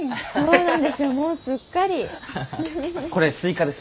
うん。